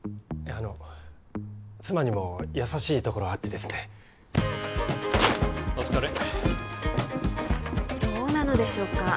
あの妻にも優しいところはあってですねお疲れどうなのでしょうか？